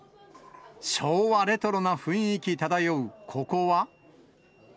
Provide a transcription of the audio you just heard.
昭和レトロな雰囲気漂うここは。